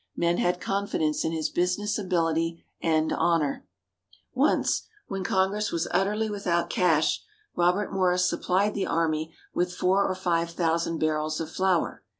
Men had confidence in his business ability and honour. Once, when Congress was utterly without cash, Robert Morris supplied the Army with four or five thousand barrels of flour.